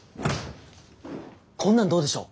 こんなんどうでしょう？